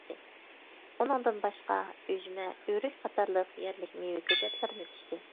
ئۇنىڭدىن باشقا، ئۈجمە، ئۆرۈك قاتارلىق يەرلىك مېۋە كۆچەتلىرىنى تىكتى.